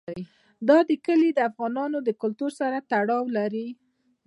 دا کلي له افغان کلتور سره تړاو لري.